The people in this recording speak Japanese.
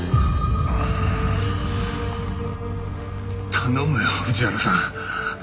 頼むよ藤原さん。